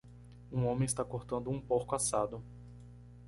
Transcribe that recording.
Um homem está cortando um porco assado.